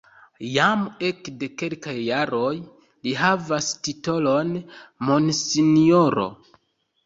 Jam ekde kelkaj jaroj li havas titolon "Monsinjoro".